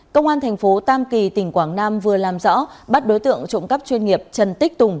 công an thành phố tam kỳ tỉnh quảng nam vừa làm rõ bắt đối tượng trộm cắp chuyên nghiệp trần tích tùng